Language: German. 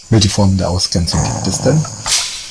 Welche Formen der Ausgrenzung gibt es denn?